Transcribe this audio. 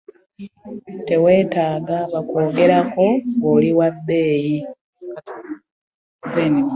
Tewetaaga bakwogerako gwe oli wabbeeyi.